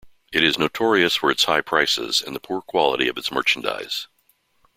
It is notorious for its high prices and the poor quality of its merchandise.